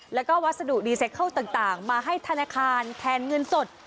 แล้วก็วัสดุดีไซเคิลต่างมาให้ธนาคารแทนเงินสด